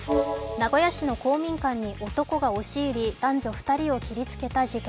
名古屋市の公民館に男んが押し入り、男女２人を切りつけた事件。